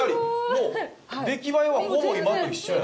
もう出来栄えはほぼ今と一緒や。